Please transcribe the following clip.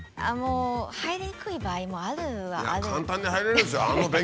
入りにくい場合もあるはある。